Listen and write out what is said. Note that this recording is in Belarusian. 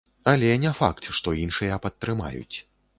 Але не факт, што іншыя падтрымаюць.